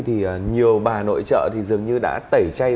thì nhiều bà nội chợ dường như đã tẩy chay